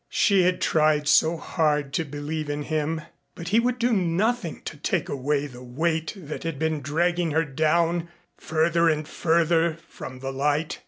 She had tried so hard to believe in him, but he would do nothing to take away the weight that had been dragging her down further and further from the light.